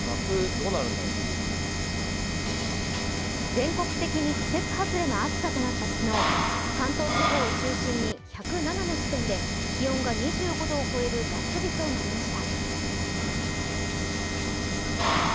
全国的に季節外れの暑さとなった昨日、関東地方を中心に１０７の地点で気温が２５度を超える夏日となりました。